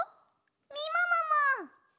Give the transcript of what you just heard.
みももも！